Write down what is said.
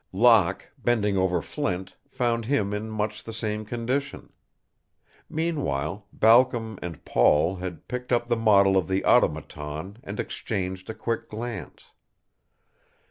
Locke, bending over Flint, found him in much the same condition. Meanwhile, Balcom and Paul had picked up the model of the automaton and exchanged a quick glance.